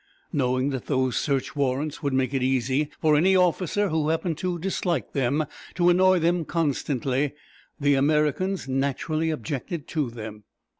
Knowing that those search warrants would make it easy for any officer who happened to dislike them to annoy them constantly, the Americans naturally objected to them.